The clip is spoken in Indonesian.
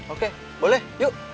oke boleh yuk